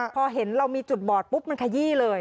พอเห็นเรามีจุดบอดปุ๊บมันขยี้เลย